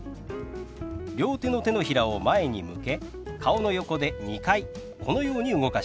両手の手のひらを前に向け顔の横で２回このように動かします。